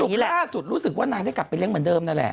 ล่าสุดรู้สึกว่านางได้กลับไปเลี้ยเหมือนเดิมนั่นแหละ